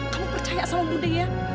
kamu percaya sama budi ya